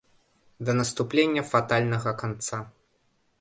Да наступлення фатальнага канца.